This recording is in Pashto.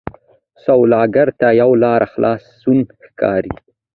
سوالګر ته یوه لاره خلاصون ښکاري